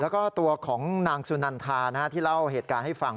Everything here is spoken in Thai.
แล้วก็ตัวของนางสุนันทาที่เล่าเหตุการณ์ให้ฟัง